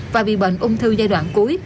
và vì bệnh ung thư giai đoạn cuối